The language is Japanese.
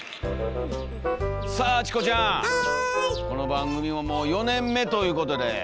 この番組ももう４年目ということで。